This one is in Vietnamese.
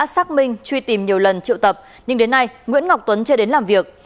xác minh truy tìm nhiều lần triệu tập nhưng đến nay nguyễn ngọc tuấn chưa đến làm việc